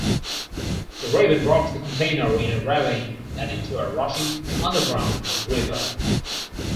The raven drops the container in a ravine and into a rushing underground river.